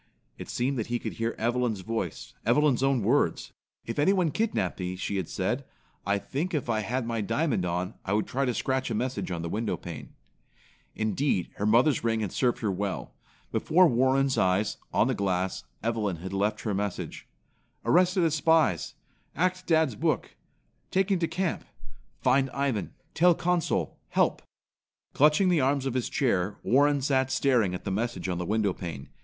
It seemed that he could hear Evelyn's voice, Evelyn's own words. "If anyone kidnapped me," she had said, "I think if I had my diamond on I would try to scratch a message on the window pane." Indeed, her mother's ring had served her well. Before Warren's eyes, on the glass, Evelyn had left her message: "Arrested as spies. Ac't dad's book. Taken to camp. Find Ivan. Tell Consul. Help." Clutching the arms of his chair, Warren sat staring at the message on the window pane.